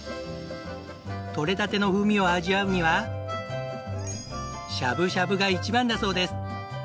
とれたての風味を味わうにはしゃぶしゃぶが一番だそうです。